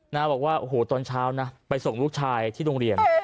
บอกว่าโอ้โหตอนเช้านะไปส่งลูกชายที่โรงเรียน